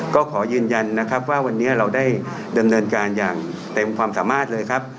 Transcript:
ก็ขอยืนยันนะครับว่าวันนี้เราได้ดำเนินการอย่างเต็มความสามารถเลยครับ